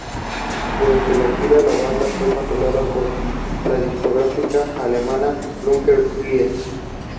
Durante la gira, la banda fue contratada por la discográfica alemana Nuclear Blast.